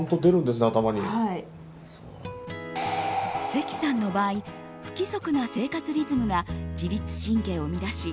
関さんの場合不規則な生活リズムが自律神経を乱し